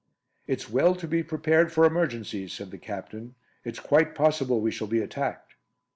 "It's well to be prepared for emergencies," said the Captain. "It's quite possible we shall be attacked."